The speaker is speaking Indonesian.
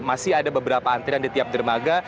masih ada beberapa antrian di tiap dermaga